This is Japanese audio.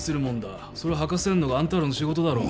それを吐かせんのがあんたらの仕事だろ？